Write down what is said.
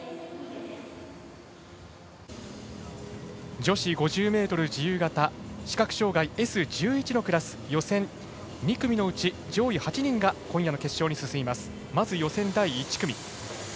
女子５０ｍ自由形視覚障がいＳ１１のクラス予選２組のうち上位８人が今夜の決勝に進みます。